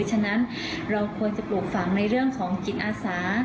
ฉะนั้นเราควรจะปลูกฝังในเรื่องของจิตอาสา